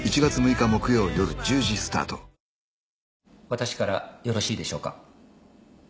私からよろしいでしょうか。